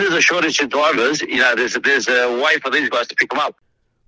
ada cara untuk mereka mengumpul